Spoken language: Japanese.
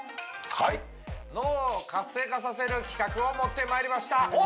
はい脳を活性化させる企画を持ってまいりました